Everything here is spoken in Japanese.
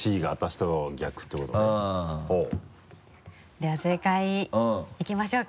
では正解いきましょうか。